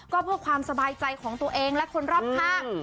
ก็เพื่อความสบายใจของตัวเองและคนรอบข้าง